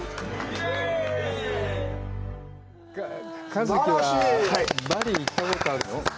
一希はバリ行ったことあるの？